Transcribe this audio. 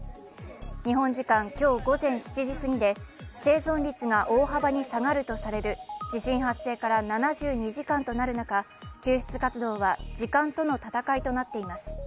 日本時間今日午前７時過ぎで生存率が大幅に下がるとされる地震発生から７２時間となる中、救出活動は時間との闘いとなっています。